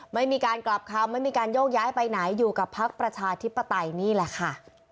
ไม่มีการกลับคำไม่มีการโยกย้ายไปไหนอยู่กับพักประชาธิปไตยนี่แหละค่ะ